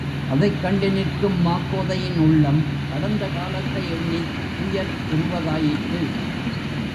அதைக் கண்டு நிற்கும் மாக்கோதையின் உள்ளம் கடந்த காலத்தை எண்ணித் துயர் உறுவதாயிற்று.